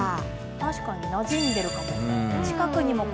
確かになじんでるかも。